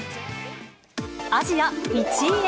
アジア１位へ！